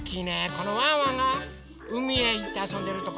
このワンワンがうみへいってあそんでるところ。